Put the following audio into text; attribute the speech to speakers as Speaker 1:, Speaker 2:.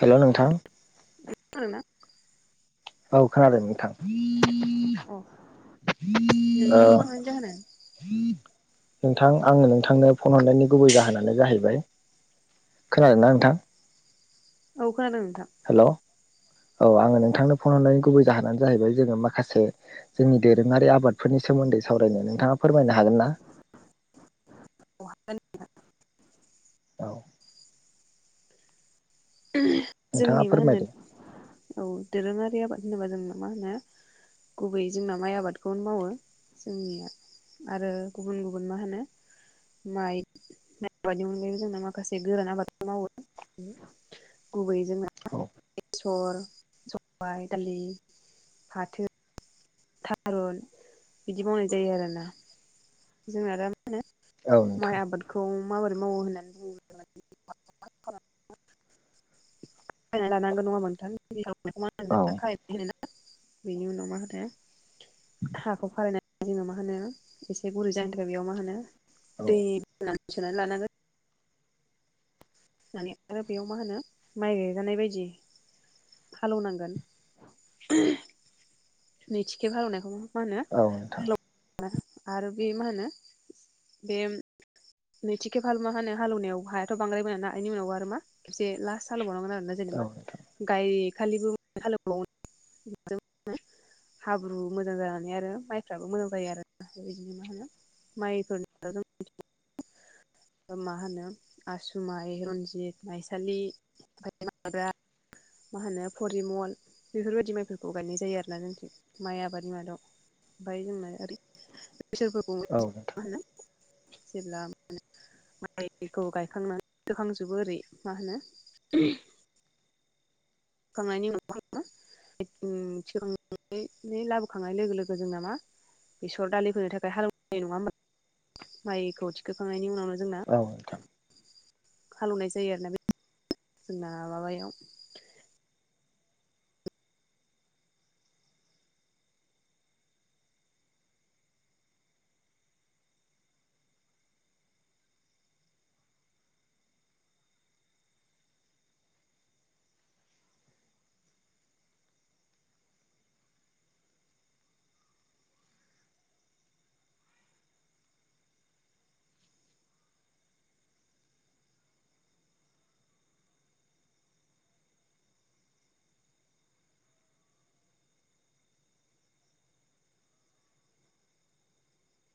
Speaker 1: हेल' नोंथां
Speaker 2: खोनादोंना?
Speaker 1: औ खोनादों नोंथां। ओ
Speaker 2: नोंथां नों फन हरनायनि जाहोना
Speaker 1: नोंथां आङो नोंथांनो फन हरनायनि गुबै जाहोनानो जाहैबाय खोनादों ना नोंथां
Speaker 2: औ खोनादों नोंथां
Speaker 1: हेल' औ आङो नोंथांनो फन हरनायनि गुबै जाहोनानो जाहैबाय जोङो माखासे जोंनि दोरोङारि आबादफोरनि सोमोन्दै सावरायनो नोंथाङा फोरमायनो हागोन ना
Speaker 2: औ हागोन
Speaker 1: औ नोंथाङा
Speaker 2: जोंनि मा होनो
Speaker 1: फोरमायदो
Speaker 2: औ दोरोङारि आबाद होनोबा जोंनो मा होनो गुबैयै जोंना माइ आबादखौनो मावो जोंनिया आरो गुबुन गुबुन मा होनो माइ माइ आबादनि अनगायैबो जोंना माखासे गोरान आबादखौ मावो गुबैयै जोंना [unintelligible]
Speaker 1: औ
Speaker 2: बेसर सबाय दालि फाथो थारुन बिदि मावनाय जायो आरोना जोंना दा मा होनो
Speaker 1: औ
Speaker 2: माइ
Speaker 1: नोंथां
Speaker 2: आबादखौ माबोरै मावो होननानै बुङोब्ला माने बायना लानांगौ नङा नोंथां [unintelligible] ना बेनि
Speaker 1: औ
Speaker 2: उनाव मा होनो थाइ हाखौ खारायनानै जोङो मा होनो एसे गुरै जनि थाखाय बेयाव मा होनो दै
Speaker 1: औ
Speaker 2: सोनानै लानांगोन माने आरो बेयाव मा होनो माइ गायजानाय बायदि हालेव नांगोन [inaudible] नैथि खेब हालौनायखौ मा
Speaker 1: औ नोंथां
Speaker 2: होनो आरो बे मा होनो बे नैथि खेब हालुवा होनो हालौनायाव हायाथ' बांद्राय मोना ना आनि उनावबो आरो मा खेबसे लास्ट हालौवबावनांगोन आरो ना
Speaker 1: औ
Speaker 2: जेनेबा
Speaker 1: नोंथां
Speaker 2: गायखालिबो हालौबावनांगोनना जेनबा [unintelligible] हाब्रु मोजां जानानै आरो माइफ्राबो मोजां जायो आरोना बेबायदिनो मा होनो माइखौ [unintelligible] मा होनो आसु माइ रन्जित माइसालि ओमफ्राय माइब्रा मा होनो परिमल बेफोरबायदि माइफोरखौ गायनाय जायो आरोना जोंथिं माइ आबादनि मादाव ओमफ्राय जोंना ओरै बैसोरफोरखौ
Speaker 1: औ नोंथां
Speaker 2: मा होनो जेब्ला मा होनो माइखौ गायखांनानै सोखांजोबो ओरै मा होनो होखांनायनि उनाव मा होनो [unintelligible] लाबोखांनाय लोगो लोगो जोंना मा बेसर दालि होनो थाखाय हालेवनाय नङा होमबा माइखौ थिखोखांनायनि उनावनो जोंना
Speaker 1: औ नोंथां
Speaker 2: हालेवनाय जायो आरोना बे जोंना माबायाव